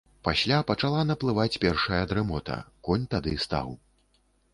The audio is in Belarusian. Пасля пачала наплываць першая дрымота, конь тады стаў.